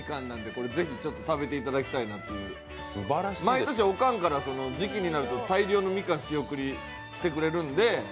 これぜひ、食べていただきたいなと毎年おかんから時期になると大量のみかん仕送りしてくれるんで。